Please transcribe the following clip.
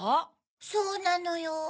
そうなのよ。